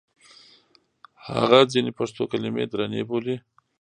هغه ځینې پښتو کلمې درنې بولي.